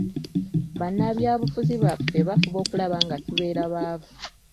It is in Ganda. Bannabyabufuzi baffe bafuba okulaba nga tubeera baavu.